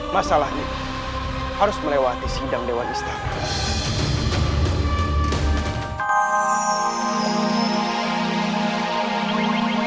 masalah ini harus melewati sindang dewa istana